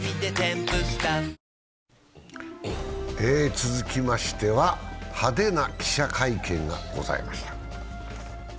続きましては、派手な記者会見がございました。